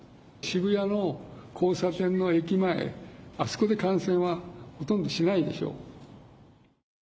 渋谷の交差点の駅前、あそこで感染はほとんどしないでしょ。